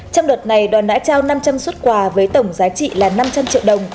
trong đợt này đoàn đã trao năm trăm linh xuất quà với tổng giá trị là năm trăm linh triệu đồng